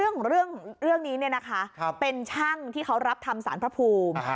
เรื่องนี้เป็นช่างที่เขารับทำสารพระภูมิ